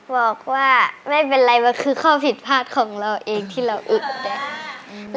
บอกว่าไม่เป็นไรมันคือข้อผิดพลาดของเราเองที่เราอึกได้